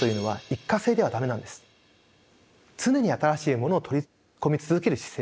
常に新しいものを取り込み続ける姿勢。